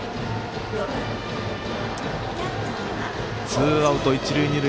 ツーアウト、一塁二塁。